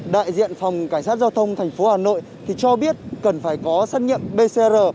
đại diện phòng cảnh sát giao thông thành phố hà nội cho biết cần phải có xét nghiệm pcr